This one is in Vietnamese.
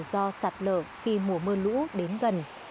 rủi ro sạt lở khi mùa mưa lũ đến gần